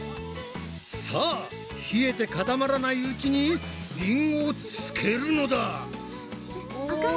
さあ冷えて固まらないうちにりんごをつけるのだ！